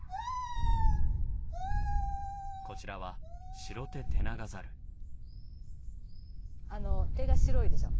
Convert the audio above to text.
こちらは手が白いでしょう？